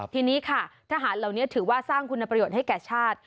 ทีนี้ค่ะทหารเหล่านี้ถือว่าสร้างคุณประโยชน์ให้แก่ชาติ